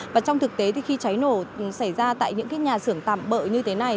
và trong thực tế thì khi cháy nổ xảy ra tại những nhà xưởng tạm bỡ như thế này